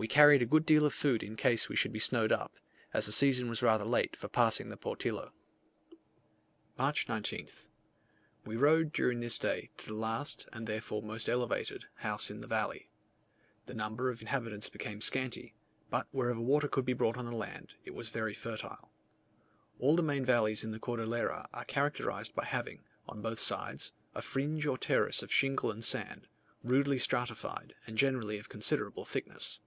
We carried a good deal of food in case we should be snowed up, as the season was rather late for passing the Portillo. March 19th. We rode during this day to the last, and therefore most elevated, house in the valley. The number of inhabitants became scanty; but wherever water could be brought on the land, it was very fertile. All the main valleys in the Cordillera are characterized by having, on both sides, a fringe or terrace of shingle and sand, rudely stratified, and generally of considerable thickness.